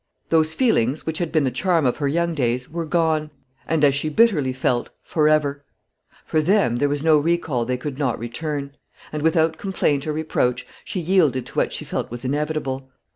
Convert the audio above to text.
Those feelings, which had been the charm of her young days, were gone, and, as she bitterly felt, forever. For them there was no recall they could not return; and, without complaint or reproach, she yielded to what she felt was inevitable.